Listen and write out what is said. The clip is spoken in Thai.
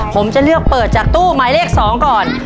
ผมจะเลือกเปิดจากตู้หมายเลข๒ก่อน